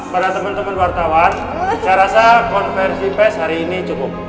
pada teman teman wartawan saya rasa konversi pes hari ini cukup